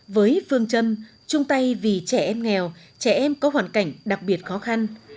với phương châm chung tay vì trẻ em nghèo trẻ em có hoàn cảnh đặc biệt khó khăn